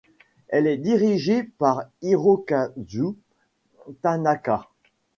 Elle est dirigée par Hirokazu Tanaka.